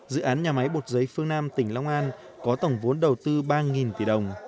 dự án nhà máy bột giấy phương nam tỉnh long an có tổng vốn đầu tư ba tỷ đồng